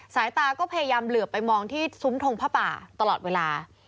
สายตาก็พยายามเหลือไปมองที่ซุ้มทงผ้าป่าตลอดเวลา